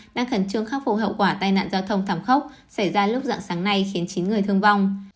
đang khẩn trương khắc phục hậu quả tai nạn giao thông thảm khốc xảy ra lúc dạng sáng nay khiến chín người thương vong